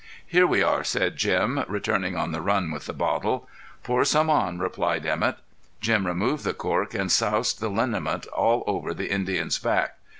"Here we are," said Jim, returning on the run with the bottle. "Pour some on," replied Emett. Jim removed the cork and soused the liniment all over the Indian's back.